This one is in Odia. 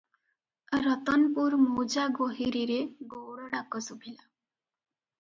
ରତନପୁର ମୌଜା ଗୋହିରୀରେ ଗଉଡ଼ ଡାକ ଶୁଭିଲା ।